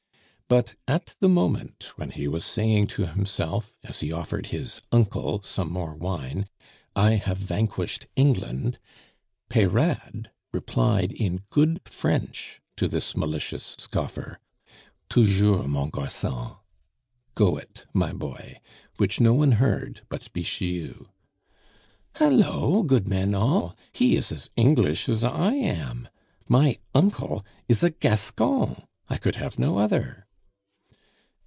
But at the moment when he was saying to himself, as he offered his "uncle" some more wine, "I have vanquished England!" Peyrade replied in good French to this malicious scoffer, "Toujours, mon garcon" (Go it, my boy), which no one heard but Bixiou. "Hallo, good men all, he is as English as I am! My uncle is a Gascon! I could have no other!"